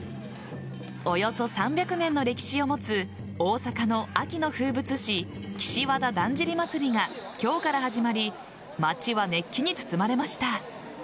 およそ３００年の歴史を持つ大阪の秋の風物詩岸和田だんじり祭が今日から始まり街は熱気に包まれました。